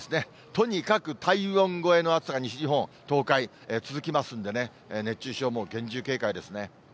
とにかく体温超えの暑さが西日本、東海、続きますんでね、熱中症も厳重警戒ですね。